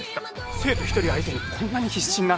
生徒一人相手にこんなに必死になるなんて。